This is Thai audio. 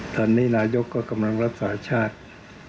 ตอนนี้นายกก็กำลังรักษาชาติ